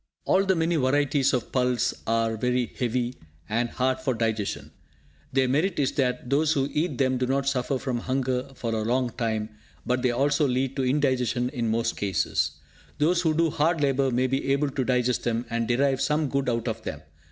All the many varieties of pulse are very heavy, and hard of digestion. Their merit is that those who eat them do not suffer from hunger for a long time; but they also lead to indigestion in most cases. Those who do hard labour may be able to digest them, and derive some good out of them.